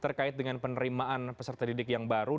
terkait dengan penerimaan peserta didik yang baru